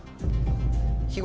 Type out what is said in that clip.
日頃。